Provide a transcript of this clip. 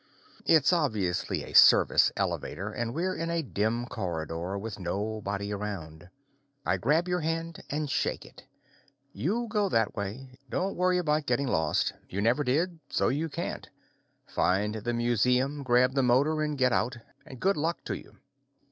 It's obviously a service elevator and we're in a dim corridor, with nobody around. I grab your hand and shake it. "You go that way. Don't worry about getting lost; you never did, so you can't. Find the museum, grab the motor, and get out. And good luck to you."